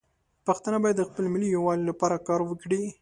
پښتانه باید د خپل ملي یووالي لپاره کار وکړي.